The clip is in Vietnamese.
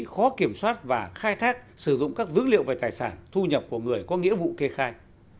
khó kiểm soát và khai thác sử dụng các dữ liệu về tài sản thu nhập của người có nghĩa vụ kê khai